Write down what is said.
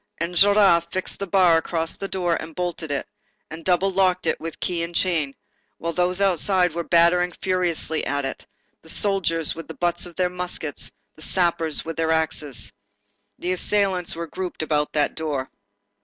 Enjolras fixed the bar across the door, and bolted it, and double locked it with key and chain, while those outside were battering furiously at it, the soldiers with the butts of their muskets, the sappers with their axes. The assailants were grouped about that door.